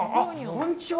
こんにちは。